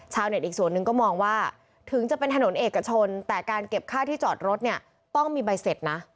อีกส่วนหนึ่งก็มองว่าถึงจะเป็นถนนเอกชนแต่การเก็บค่าที่จอดรถเนี่ยต้องมีใบเสร็จนะ